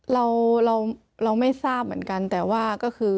เราเราไม่ทราบเหมือนกันแต่ว่าก็คือ